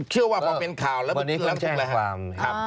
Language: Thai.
เชื่อว่าพอเป็นข่าวแล้วมันนี้เพิ่งแจ้งความ